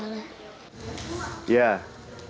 prokote mengajar kelas